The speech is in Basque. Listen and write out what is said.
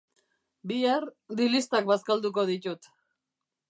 Bihar, dilistak bazkalduko ditut